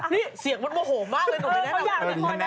นี่เสียงมันโมโหมากเลยหนูไม่ได้แบบ